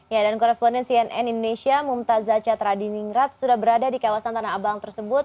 ya dan koresponden cnn indonesia mumtazah catradiningrat sudah berada di kawasan tanah abang tersebut